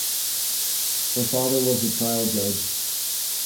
Her father was a trial judge.